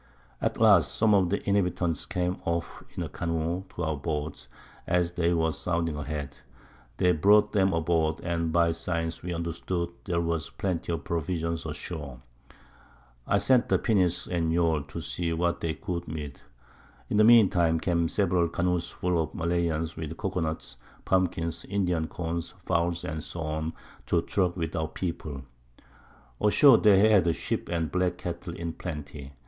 At last some of the Inhabitants came off in a Canoe to our Boats, as they were sounding a head; they brought 'em aboard, and by Signs we understood there was plenty of Provisions ashore. So I sent the Pinnace and Yawl to see what they could meet with. In the mean time came several Canoes full of Malayans, with Cocoa Nuts, Pumpkins, Indian Corn, Fowls, &c. to truck with our People. Ashore they had Sheep and Black Cattle in plenty.